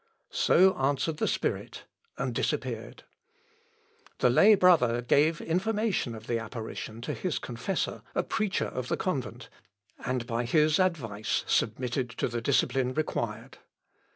So answered the spirit, and disappeared. The lay brother gave information of the apparition to his confessor, a preacher of the convent, and by his advice submitted to the discipline required.